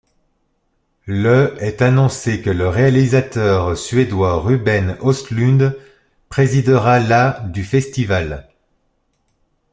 Le est annoncé que le réalisateur suédois Ruben Östlund présidera la du festival.